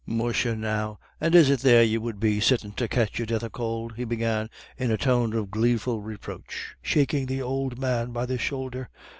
"Musha now, and is it there you would be sittin' to catch your death of could?" he began, in a tone of gleeful reproach, shaking the old man by the shoulder.